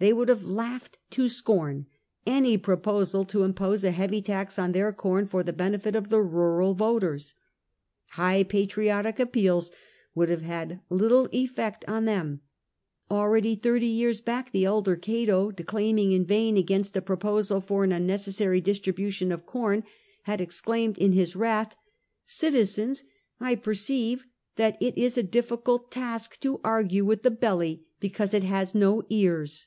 They would have laughed to scorn any proposal to impose a heavy tax on their corn for the benefit of the rural voters* High patriotic appeals would have had little effect on them. Already, thirty years back, the elder Cato, de claming in vain against a proposal for an unnecessary distribution of com, had exclaimed in his wrath, " Citizens, I perceive that it is a difiBcult task to argue with the belly, because it has no ears."